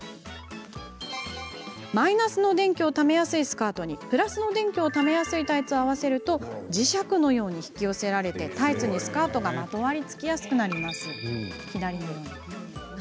マイナスの電気をためやすいスカートにプラスの電気をためやすいタイツを合わせると磁石のように引き寄せられタイツにスカートがまとわりつきやすくなります。